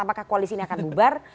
apakah koalisi ini akan bubar